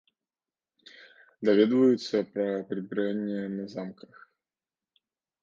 Даведваюцца пра прыбіранне на замках.